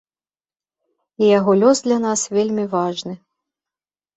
І яго лёс для нас вельмі важны.